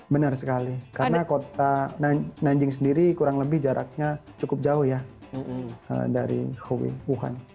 benar sekali karena kota nanjing sendiri kurang lebih jaraknya cukup jauh ya dari hubei wuhan